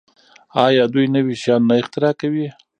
آیا دوی نوي شیان نه اختراع کوي؟